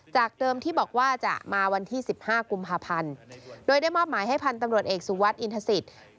จากเดิมที่บอกว่าจะมาวันที่๑๕กุมภาพันธ์โดยได้มอบหมายให้พันธุ์ตำรวจเอกสุวัสดิอินทศิษย์